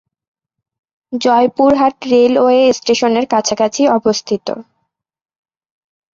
Joypurhat railway station এর কাছাকাছি অবস্থিত।